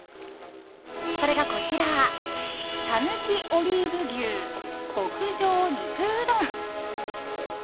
それがこちら讃岐オリーブ牛極上肉うどん。